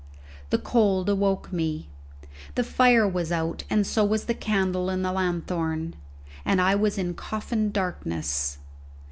The cold awoke me. The fire was out and so was the candle in the lanthorn, and I was in coffin darkness.